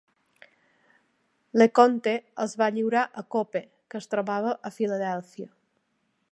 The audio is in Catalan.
LeConte els va lliurar a Cope, que es trobava a Filadèlfia.